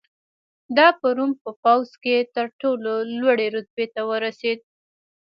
دا په روم په پوځ کې تر ټولو لوړې رتبې ته ورسېد